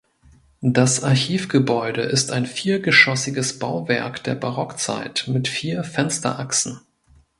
Das Archivgebäude ist ein viergeschossiges Bauwerk der Barockzeit mit vier Fensterachsen.